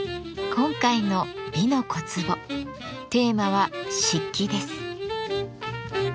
今回の「美の小壺」テーマは「漆器」です。